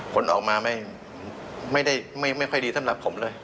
ผลออกมาไม่ไม่ได้ไม่ไม่ค่อยดีสำหรับผมเลย